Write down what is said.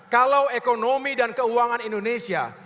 kalau ekonomi dan keuangan indonesia